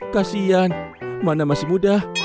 kasian mana masih muda